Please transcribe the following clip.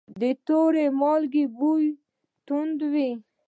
د تور مالګې بوی توند وي.